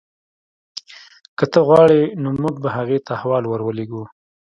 که ته غواړې نو موږ به هغې ته احوال ورلیږو